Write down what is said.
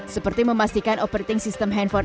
seperti memastikan operating sistem handphone